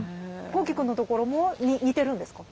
豪輝くんのところも似てるんですか？